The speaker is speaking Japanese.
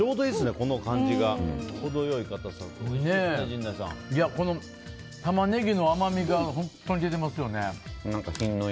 このタマネギの甘みが本当に出てますよね。